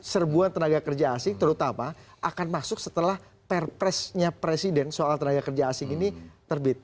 serbuan tenaga kerja asing terutama akan masuk setelah perpresnya presiden soal tenaga kerja asing ini terbit